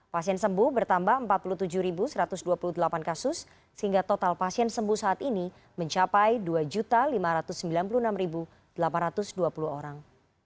pasien sembuh bertambah empat puluh tujuh satu ratus dua puluh delapan kasus sehingga total pasien sembuh saat ini mencapai dua lima ratus sembilan puluh enam delapan ratus dua puluh orang